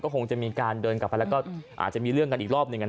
คงจะมีการเดินกลับไปแล้วก็อาจจะมีเรื่องกันอีกรอบหนึ่ง